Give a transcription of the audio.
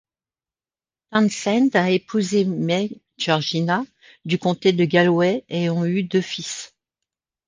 Townsend a épousé May Georgina, du comté de Galway, et ont eu deux fils.